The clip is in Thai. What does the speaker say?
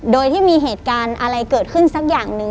โดยที่มีเหตุการณ์อะไรเกิดขึ้นสักอย่างหนึ่ง